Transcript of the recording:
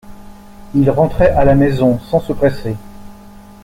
Il rentrait à la maison sans se presser.